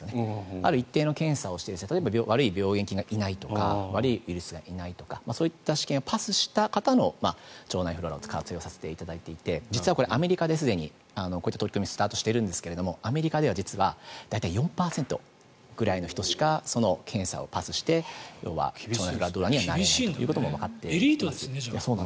ある一定の検査をして例えば、悪い病原菌がいないとか悪いウイルスがいないとかそういった試験をパスした方の腸内フローラを活用させていただいていて実はアメリカですでにこういった取り組みがスタートしているんですがアメリカでは実は大体４％ぐらいの人しかその検査をパスしてドナーにはなれないということもわかっているという。